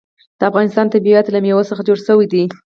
د افغانستان طبیعت له مېوې څخه جوړ شوی دی.